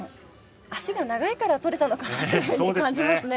足が長いから取れたのかなというふうに感じますね。